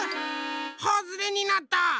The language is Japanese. はずれになった。